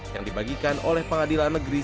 yang dibagikan oleh pengadilan negeri